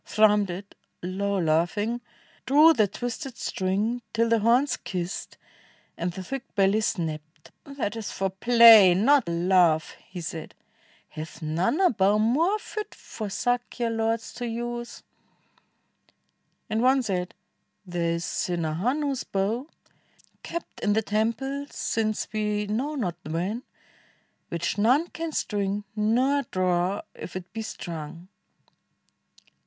Thrummed it — low laughing — drew the twisted string Till the horns kissed, and the thick belly snapped: "That is for play, not love," he said; "hath none A bow more fit for Sakya lords to use?" And one said, "There is Sinhahanu's bow. Kept in the temple since we know not when. Which none can string, nor draw if it be strung."